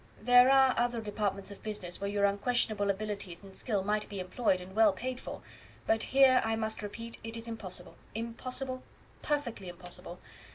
"There are other departments of business where your unquestionable abilities and skill might be employed and well paid for; but here, I must repeat, it is impossible impossible perfectly impossible.